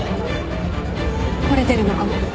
折れてるのかも。